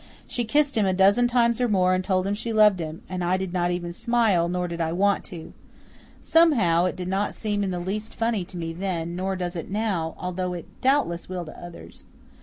She kissed him a dozen times or more and told him she loved him and I did not even smile, nor did I want to. Somehow, it did not seem in the least funny to me then, nor does it now, although it doubtless will to others.